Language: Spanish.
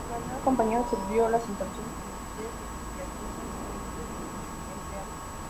La nueva compañía absorbió las instalaciones industriales y a trescientos veinticinco empleados.